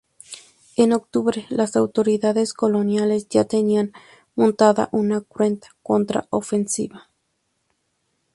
En octubre las autoridades coloniales ya tenían montada una cruenta contraofensiva.